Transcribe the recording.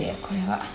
これは。